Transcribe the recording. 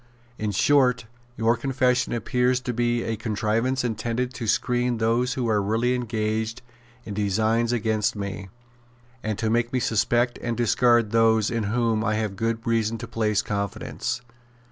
In short your confession appears to be a contrivance intended to screen those who are really engaged in designs against me, and to make me suspect and discard those in whom I have good reason to place confidence.